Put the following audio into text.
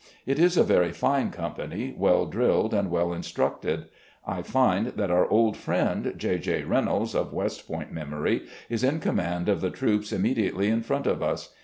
It is a very fine company, well drilled and well instructed. I find that our old friend, J. J. Reynolds, of West Point memory, is in command of the troops imme diately in front of us.